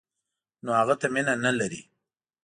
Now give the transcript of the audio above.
نو هغه ته مینه نه لري.